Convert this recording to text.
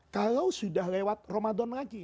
kalau sudah lewat ramadan lagi